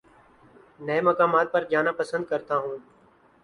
نئے مقامات پر جانا پسند کرتا ہوں